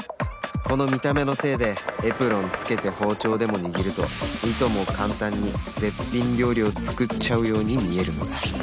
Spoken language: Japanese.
この見た目のせいでエプロンつけて包丁でも握るといとも簡単に絶品料理を作っちゃうように見えるのだ